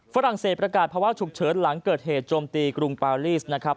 ฝรั่งเศสประกาศภาวะฉุกเฉินหลังเกิดเหตุโจมตีกรุงปาลีสนะครับ